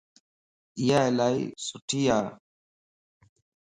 اھا الائي سٺي ا